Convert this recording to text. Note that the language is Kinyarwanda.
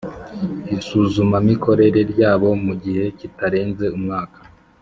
isuzumamikorere ryabo mu gihe kitarenze umwaka